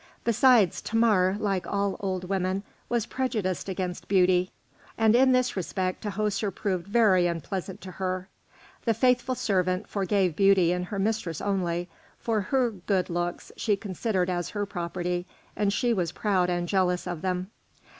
Besides, Thamar, like all old women, was prejudiced against beauty, and in this respect Tahoser proved very unpleasant to her. The faithful servant forgave beauty in her mistress only; for her good looks she considered as her property, and she was proud and jealous of them.